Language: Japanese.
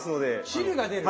汁が出る？